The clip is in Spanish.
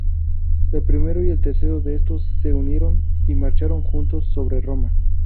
El primero y el tercero de estos se unieron y marcharon juntos sobre Roma.